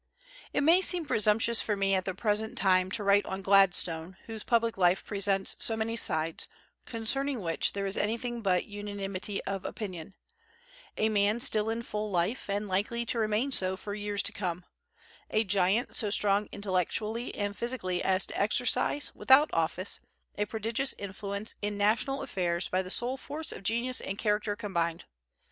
It may seem presumptuous for me at the present time to write on Gladstone, whose public life presents so many sides, concerning which there is anything but unanimity of opinion, a man still in full life, and likely to remain so for years to come; a giant, so strong intellectually and physically as to exercise, without office, a prodigious influence in national affairs by the sole force of genius and character combined.